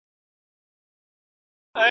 سپوږمکۍ د پراخو بدلونونو څارنه کوي.